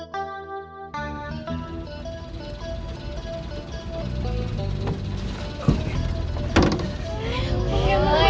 ganteng banget ya boy